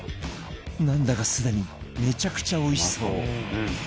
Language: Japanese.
なんだかすでにめちゃくちゃおいしそう